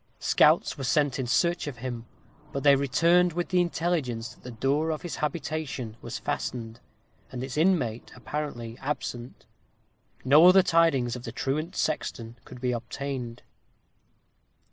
Scouts were sent in search of him, but they returned with the intelligence that the door of his habitation was fastened, and its inmate apparently absent. No other tidings of the truant sexton could be obtained.